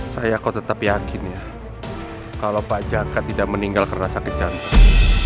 saya kok tetap yakin ya kalau pak jaka tidak meninggal karena sakit jantung